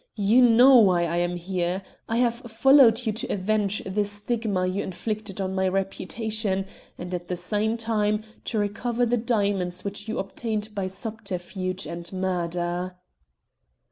You know why I am here. I have followed you to avenge the stigma you inflicted on my reputation and at the same time to recover the diamonds which you obtained by subterfuge and murder."